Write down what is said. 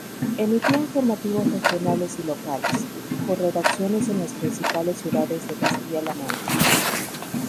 Emitía informativos regionales y locales, con redacciones en las principales ciudades de Castilla-La Mancha.